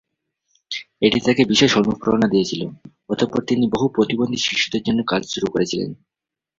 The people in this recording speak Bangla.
এটি তাঁকে বিশেষ অনুপ্রেরণা দিয়েছিল, অতঃপর তিনি বহু প্রতিবন্ধী শিশুদের জন্য কাজ শুরু করেছিলেন।